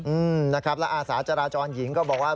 อืมนะครับแล้วอาสาจราจรหญิงก็บอกว่า